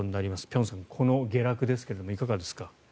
辺さん、この下落ですがいかがですか？